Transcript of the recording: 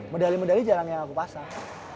medali medali jalan yang aku pasang